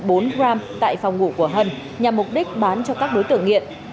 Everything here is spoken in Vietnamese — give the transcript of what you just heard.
mình đưa ma túy cho hân bán ba mươi sáu gram tại phòng ngủ của hân nhằm mục đích bán cho các đối tượng nghiện